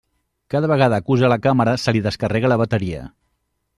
Cada vegada que usa la càmera se li descarrega la bateria.